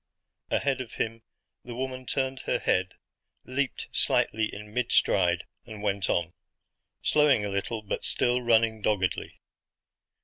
Ahead of him the woman turned her head, leaped lightly in mid stride, and went on; slowing a little but still running doggedly.